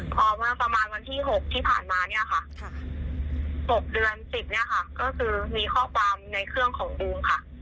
พอประมาณวันที่๖ที่ผ่านมา๖เดือน๑๐มีข้อความในเครื่องของอู๋ม